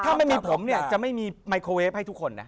ถ้าไม่มีผมเนี่ยจะไม่มีไมโครเวฟให้ทุกคนนะ